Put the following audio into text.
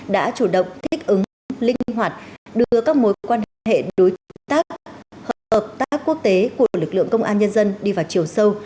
đã chủ động thích ứng linh hoạt đưa các mối quan hệ đối tác hợp tác quốc tế của lực lượng công an nhân dân đi vào chiều sâu